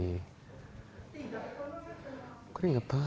tidak kamu tidak tahu